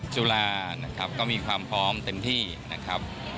จุฬานะครับก็มีความพร้อมเต็มที่นะครับ